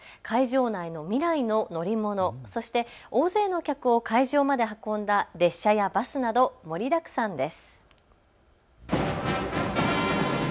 会場内の未来の乗り物、そして大勢の客を運んだ列車やバスなど盛りだくさんです。